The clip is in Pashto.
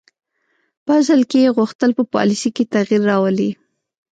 په اصل کې یې غوښتل په پالیسي کې تغییر راولي.